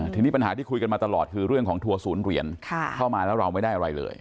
ทีนี้ปัญหาที่คุยกันมาตลอดคือเรื่องของทัวร์ศูนย์เหรียญเข้ามาแล้วเราไม่ได้อะไรเลย